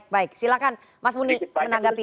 baik silahkan mas muni menanggapi